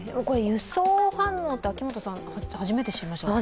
輸送反応って、秋元さん、初めて知りましたね。